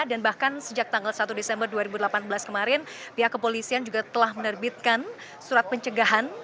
dan bahkan sejak tanggal satu desember dua ribu delapan belas kemarin pihak kepolisian juga telah menerbitkan surat pencegahan